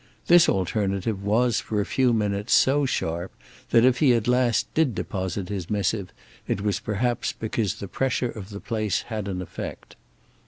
This alternative was for a few minutes so sharp that if he at last did deposit his missive it was perhaps because the pressure of the place had an effect.